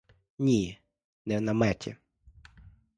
Ні, не в наметі.